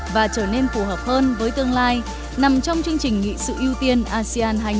và trở nên phù hợp hơn với tương lai nằm trong chương trình nghị sự ưu tiên asean hai nghìn hai mươi